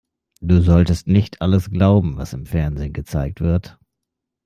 Du solltest nicht alles glauben, was im Fernsehen gezeigt wird.